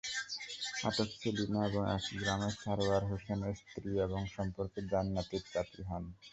আটক সেলিনা একই গ্রামের সরোয়ার হোসেনের স্ত্রী এবং সম্পর্কে জান্নাতির চাচি হন।